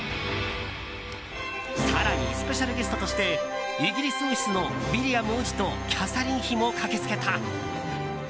更に、スペシャルゲストとしてイギリス王室のウィリアム王子とキャサリン妃も駆けつけた。